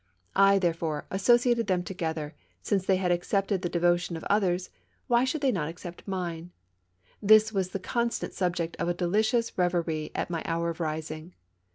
I, therefore, associated them to gether: since they had accepted the devotion of others, why should they not accept mine? This was the con stant subject of a delicious reverie at my hour of rising.